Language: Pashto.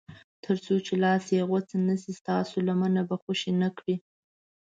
تر څو چې لاس یې غوڅ نه شي ستاسو لمنه به خوشي نه کړي.